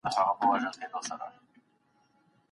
موسیقي اورېدل د روحي سکون لامل دی.